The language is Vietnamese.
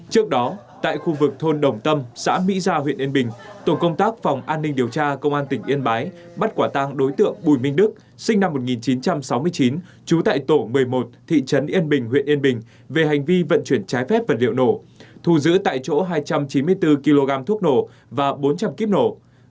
trước đó tại khu vực thôn đồng tâm xã mỹ gia huyện yên bình tổ công tác phòng an ninh điều tra công an tỉnh yên bái bắt quả tang đối tượng bùi minh đức sinh năm một nghìn chín trăm sáu mươi chín trú tại tổ một mươi một thị trấn yên bình huyện yên bình về hành vi vận chuyển trái phép vật liệu nổ thù giữ tại chỗ hai trăm chín mươi bốn kg thuốc nổ và bốn trăm linh kíp nổ